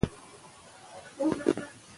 د بدو ملګرو څخه ځان وساتئ.